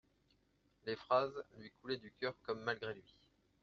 Les phrases lui coulaient du cœur comme malgré lui.